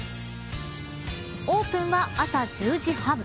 オープンは朝１０時３０分。